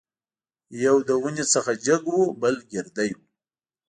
یو له ونې څخه جګ وو بل ګردی وو.